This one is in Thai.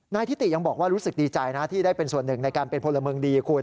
ทิติยังบอกว่ารู้สึกดีใจนะที่ได้เป็นส่วนหนึ่งในการเป็นพลเมืองดีคุณ